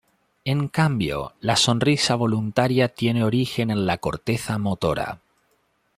En cambio, la sonrisa voluntaria tiene origen en la corteza motora.